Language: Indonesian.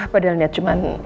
padahal niat cuman